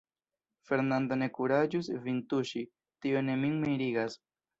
Fernando ne kuraĝus vin tuŝi, tio ne min mirigas.